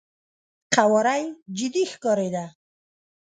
قواره يې جدي ښکارېده.